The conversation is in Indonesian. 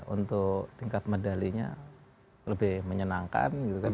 untuk tingkat medalinya lebih menyenangkan gitu kan